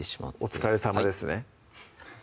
お疲れさまです